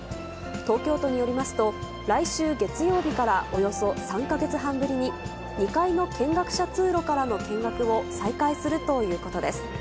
東京都によりますと、来週月曜日から、およそ３か月半ぶりに、２階の見学者通路からの見学を再開するということです。